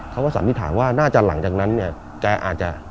สันนิษฐานว่าน่าจะหลังจากนั้นเนี่ยแกอาจจะ